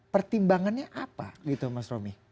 pertimbangannya apa gitu mas romi